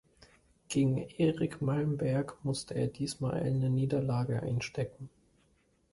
Gegen Erik Malmberg musste er diesmal eine Niederlage einstecken.